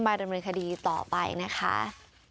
ดำเนินคดีต่อไปนะคะ